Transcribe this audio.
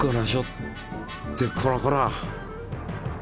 ってこらこら。